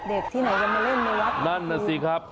เด็กที่ไหนจะมาเล่นในวัดตอนกลางคืนนั่นน่ะสิครับ